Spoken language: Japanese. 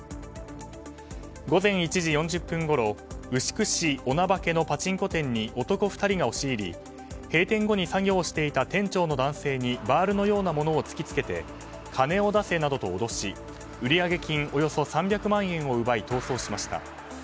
午前１時４０分ごろ牛久市女化のパチンコ店に男２人が押し入り閉店後に作業していた店長の男性にバールのようなものを突き付けて金を出せなどと脅し売上金およそ３００万円を奪い逃走しました。